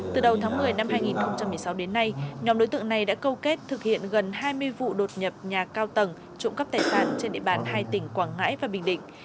từ đầu tháng một mươi năm hai nghìn một mươi sáu đến nay nhóm đối tượng này đã câu kết thực hiện gần hai mươi vụ đột nhập nhà cao tầng trộm cắp tài sản trên địa bàn hai tỉnh quảng ngãi và bình định